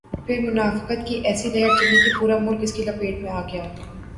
پھر منافقت کی ایسی لہر چلی کہ پورا ملک اس کی لپیٹ میں آ گیا۔